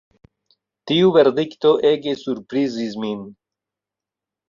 Tiu verdikto ege surprizis min.